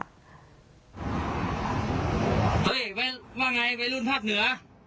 เฮ้ยว่าไงวัยรุ่นภาคเหนือ